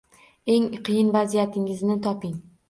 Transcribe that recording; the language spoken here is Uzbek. Eng qiyin vazifangizni toping